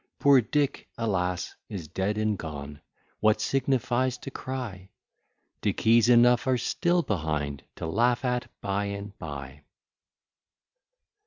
Poor Dick, alas! is dead and gone, What signifies to cry? Dickies enough are still behind, To laugh at by and by.